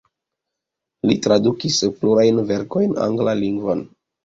Li tradukis plurajn verkojn anglan lingvon.